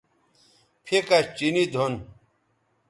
پھیکش چینی دُھن